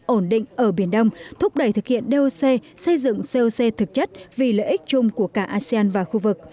ổn định ở biển đông thúc đẩy thực hiện doc xây dựng coc thực chất vì lợi ích chung của cả asean và khu vực